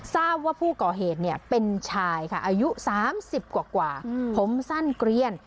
ทราบว่าผู้ก่อเหตุเป็นชายค่ะอายุ๓๐กว่าผมสั้นเกลียน